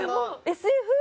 ＳＦ？